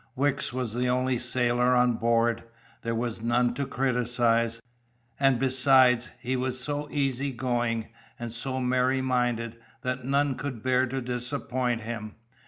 Wicks was the only sailor on board, there was none to criticise; and besides, he was so easy going, and so merry minded, that none could bear to disappoint him.